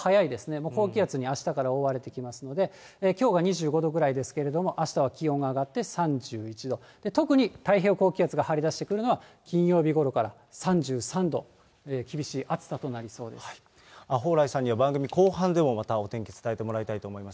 もう高気圧にあしたから覆われてきますので、きょうが２５度ぐらいですけれども、あしたは気温が上がって３１度、特に太平洋高気圧が張り出してくるのは、金曜日ごろから３３度、蓬莱さんには、番組後半でもまたお天気伝えてもらいたいと思います。